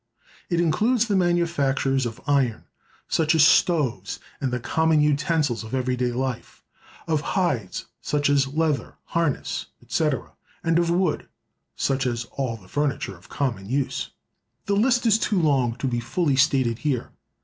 It includes the manufactures of iron, such as stoves, and the common utensils of every day life; of hides, such as leather, harnesses, etc.; and of wood, such as all the furniture of common use. The list is too long to be fully stated here.